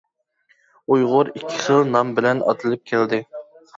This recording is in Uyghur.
ئۇيغۇر ئىككى خىل نام بىلەن ئاتىلىپ كەلدى.